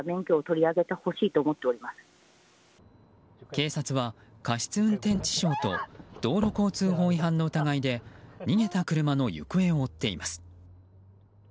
警察は過失運転致傷と道路交通法違反の疑いで逃げた車の行方を追っています。